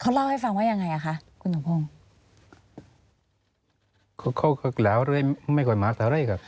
เขาเล่าให้ฟังว่ายังไงอะคะคุณสมพงษ์